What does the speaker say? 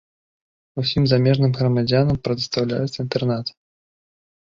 Усім замежным грамадзянам прадастаўляецца інтэрнат.